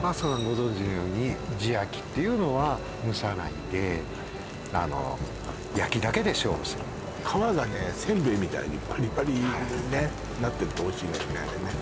ご存じのように地焼きっていうのは蒸さないであの焼きだけで勝負する皮がね煎餅みたいにパリパリにねなってるとおいしいのよね